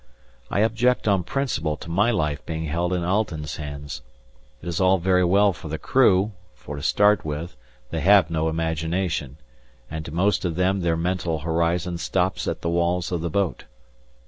I object on principle to my life being held in Alten's hands. It is all very well for the crew, for, to start with, they have no imagination, and to most of them their mental horizon stops at the walls of the boat.